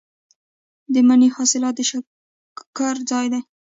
د مني حاصلات د شکر ځای دی.